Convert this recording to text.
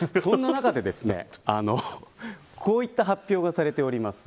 そんな中で、こういった発表がされております。